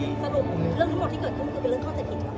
สรุปเรื่องที่หมดที่เกิดพูดเป็นเรื่องข้อใส่ผิดเหรอ